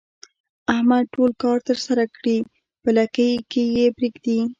احمد ټول کار ترسره کړي په لکۍ کې یې پرېږدي.